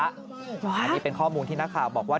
อันนี้เป็นข้อมูลที่นักข่าวบอกว่า